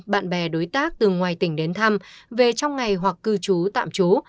bạn bè đối tác từ ngoài tỉnh đến thăm về trong ngày hoặc cư trú tạm trú